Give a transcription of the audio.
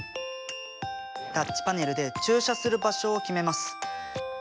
タッチパネルで駐車する場所を決めます。